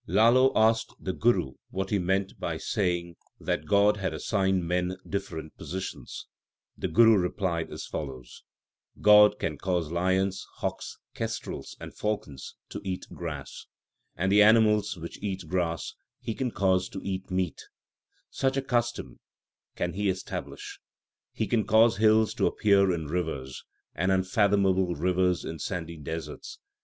2 Lalo asked the Guru what he meant by saying that God had assigned men different positions. The Guru replied as follows : God can cause lions, hawks, kestrels, and falcons to eat grass ; And the animals which eat grass He can cause to eat meat such a custom can He establish. He can cause hills to appear in rivers, and unfathomable rivers in sandy deserts.